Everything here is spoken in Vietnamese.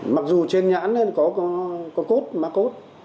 mặc dù trên nhãn có cốt má cốt